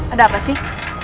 ada apa sih